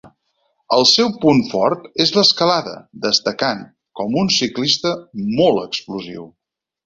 El seu punt fort és l'escalada, destacant com un ciclista molt explosiu.